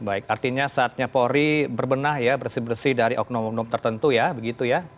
baik artinya saatnya polri berbenah ya bersih bersih dari oknum oknum tertentu ya begitu ya